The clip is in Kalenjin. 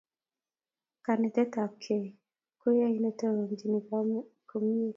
Kanetet tab gei koyaiyey netoninjinet komyeit